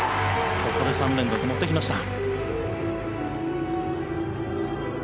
ここで３連続持ってきました。